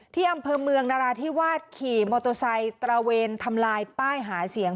ที่อำเภอเมืองนราธิวาสขี่มอเตอร์ไซค์ตระเวนทำลายป้ายหาเสียง